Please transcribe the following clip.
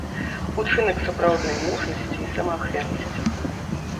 Учынак сапраўднай мужнасці і самаахвярнасці.